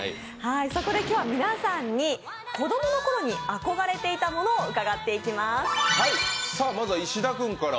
そこで今日は皆さんに子供のころに憧れていたものを伺っていきます。